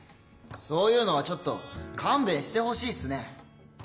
そういうのはちょっとかんべんしてほしいっすね。